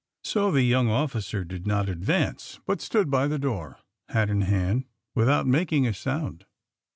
So the young officer did not advance, but stood by the door, hat in hand, without making a sound.